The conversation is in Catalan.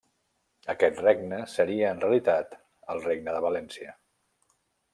Aquest regne seria, en realitat, el Regne de València.